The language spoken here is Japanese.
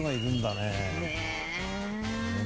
ねえ。